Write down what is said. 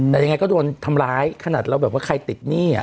แต่ยังไงก็โดนทำร้ายขนาดเราแบบว่าใครติดหนี้